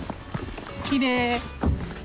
きれい！